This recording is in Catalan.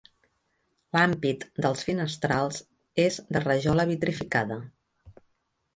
L'ampit dels finestrals és de rajola vitrificada.